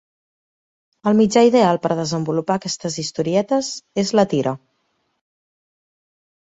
El mitjà ideal per desenvolupar aquestes historietes, és la tira.